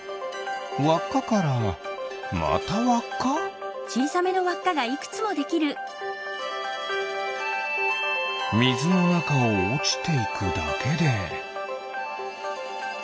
わっかからまたわっか？みずのなかをおちていくだけで。